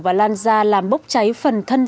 và lan ra làm bốc cháy phần thân